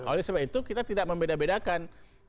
oleh sebab itu kita tidak membeda bedakan